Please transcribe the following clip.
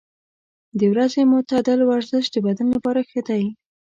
د ورځې معتدل ورزش د بدن لپاره ښه دی.